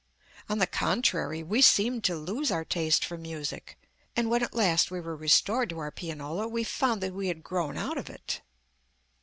On the contrary, we seemed to lose our taste for music, and when at last we were restored to our pianola, we found that we had grown out of it.